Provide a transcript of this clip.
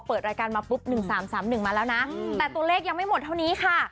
เปิดรายการมาปุ๊บ๑๓๓๑มาแล้วนะแต่ตัวเลขยังไม่หมดเท่านี้ค่ะ